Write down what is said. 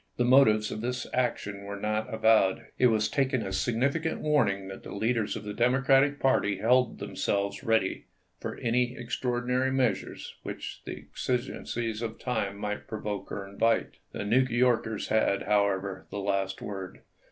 The motives of this action were not avowed. It was taken as a significant warning 'chat the leaders of the Democratic party held them selves ready for any extraordinary measures which the exigencies of the time might provoke or invite. The New Yorkers had, however, the last word.